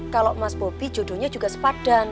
kalau mas bobi jodohnya juga sepadan